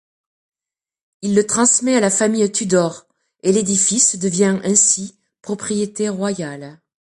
Il le transmet à la famille Tudor, et l'édifice devient ainsi propriété royale.